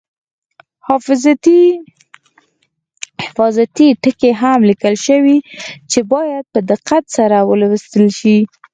حفاظتي ټکي هم لیکل شوي چې باید په دقت سره ولوستل شي.